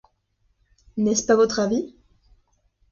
N’est-ce pas votre avis ?